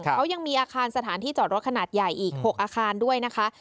เขายังมีอาคารสถานที่จอดรถขนาดใหญ่อีก๖อาคารด้วยนะคะ